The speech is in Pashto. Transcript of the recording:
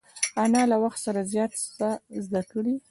انا له وخت سره زیات څه زده کړي